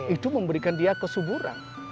itu memberikan dia kesuburan